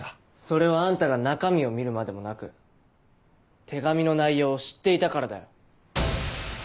それはあんたが中身を見るまでもなく手紙の内容を知っていたからだよ。